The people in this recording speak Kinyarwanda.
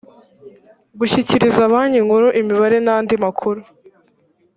gushyikiriza banki nkuru imibare n’andi makuru